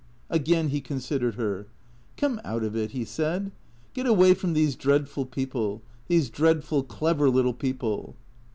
Again he considered her. " Come out of it," he said. " Get away from these dreadful people, these dreadful, clever little people."